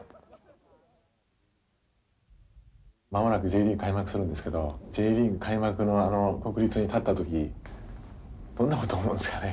間もなくＪリーグ開幕するんですけどＪリーグ開幕のあの国立に立った時どんなことを思うんですかね？